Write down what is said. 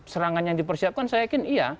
serangan yang dipersiapkan saya yakin iya